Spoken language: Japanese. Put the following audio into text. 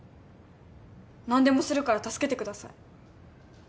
何でもするから助けてください。